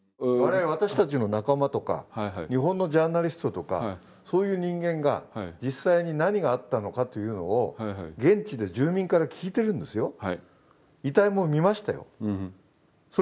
私たちの仲間とか、日本のジャーナリストとか、そういう人間が実際に何があったのかというのを現地で住民から聞いているんですよ。